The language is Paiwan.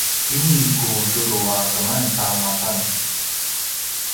ini ku turu a keman ta macam